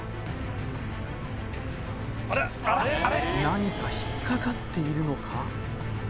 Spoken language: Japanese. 何か引っかかっているのか？